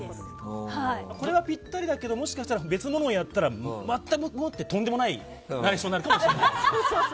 これはぴったりだけどもしかしたら別のものをやったら全くもってとんでもないナレーションになるかもしれないです。